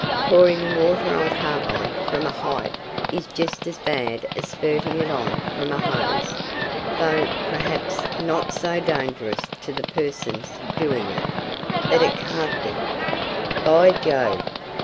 "Pouring water on carbide from a height is just as bad as spurting it on from a hose, though perhaps not so dangerous to the persons doing it. But it can't be " "By Jove!"